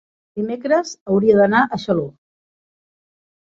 Dimecres hauria d'anar a Xaló.